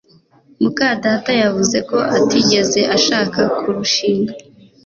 muka data yavuze ko atigeze ashaka kurushinga